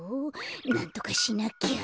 なんとかしなきゃ。